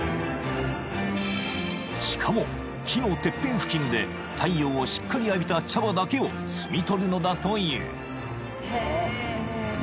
［しかも木のてっぺん付近で太陽をしっかり浴びた茶葉だけを摘み取るのだという］